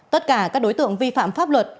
tất cả các đối tượng vi phạm pháp luật